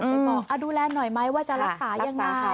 ไปบอกอ่าดูแลหน่อยไหมว่าจะรักษายังไงรักษาเขา